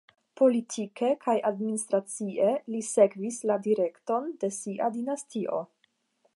Politike kaj administracie li sekvis la direkton de sia dinastio.